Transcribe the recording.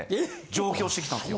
上京してきたんですよ。